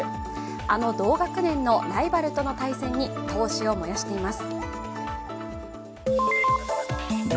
あの同学年のライバルとの対戦に闘志を燃やしています。